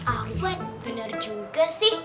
awan bener juga sih